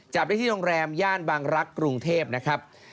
จับได้ที่โรงแรมย่านบางรักษ์กรุงเทพนะครับ